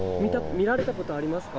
見られたことありますか？